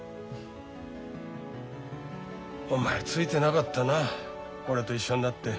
お前ついてなかったな俺と一緒になって。